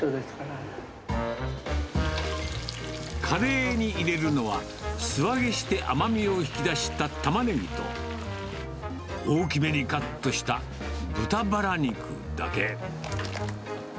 カレーに入れるのは、素揚げして甘みを引き出したタマネギと、大きめにカットした豚バラ肉だけ。